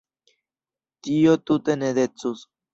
Tio tute ne decus.